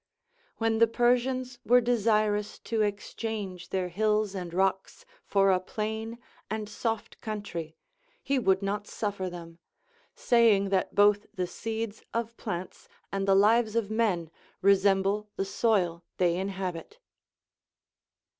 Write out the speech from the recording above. When the Persians were desirous to exchange their hills and rocks for a plain and soft country, he would not suffer them, saying that both the seeds of plants and the lives of men resemble the soil they inhabit.